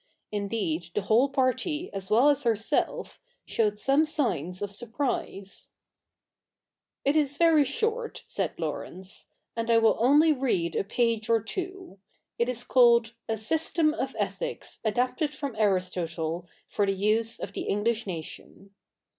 Indeed, the whole party, as well as herself, showed some signs of surprise. H TI4 THE NEW REPUBLIC [i:k. hi ' It is very short,' said Laurence, 'and I will only read a page or two. It is called " A system of Ethics, adapted from Aristotle, for the use of the English Nation."